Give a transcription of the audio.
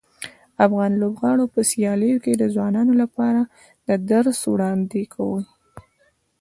د افغان لوبغاړو په سیالیو کې د ځوانانو لپاره د درس وړاندې کوي.